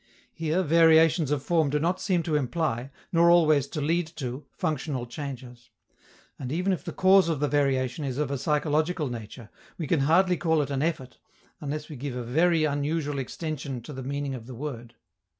Here, variations of form do not seem to imply, nor always to lead to, functional changes; and even if the cause of the variation is of a psychological nature, we can hardly call it an effort, unless we give a very unusual extension to the meaning of the word.